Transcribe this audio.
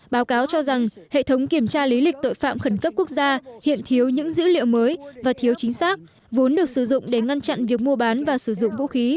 báo cáo cho rằng hệ thống kiểm tra lý lịch tội phạm khẩn cấp quốc gia hiện thiếu những dữ liệu mới và thiếu chính xác vốn được sử dụng để ngăn chặn việc mua bán và sử dụng vũ khí